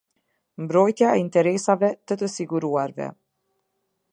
Mbrojtja e interesave të të siguruarve.